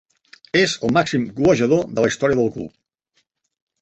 És el màxim golejador de la història del club.